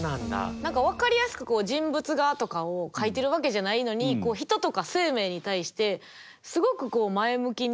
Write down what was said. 何か分かりやすく人物画とかを描いてるわけじゃないのに人とか生命に対してすごく前向きに。